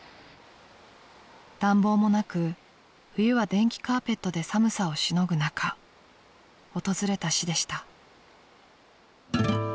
［暖房もなく冬は電気カーペットで寒さをしのぐ中訪れた死でした］